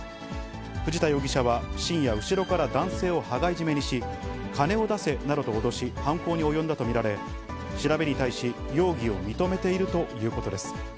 藤田容疑者は深夜、後ろから男性を羽交い絞めにし、金を出せなどと脅し、犯行に及んだと見られ、調べに対し、容疑を認めているということです。